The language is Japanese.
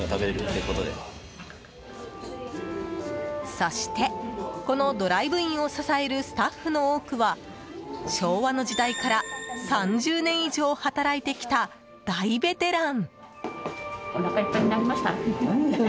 そして、このドライブインを支えるスタッフの多くは昭和の時代から３０年以上働いてきた大ベテラン。